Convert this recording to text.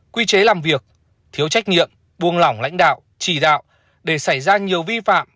quy chế làm việc thiếu trách nhiệm buông lỏng lãnh đạo chỉ đạo để xảy ra nhiều vi phạm